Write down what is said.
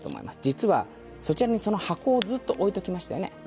実はそちらにその箱をずっと置いておきましたよね？